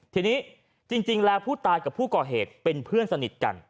ทีนี้จริงแล้วผู้ตายกับผู้ก่อเหตุเป็นเพื่อนสนิทกัน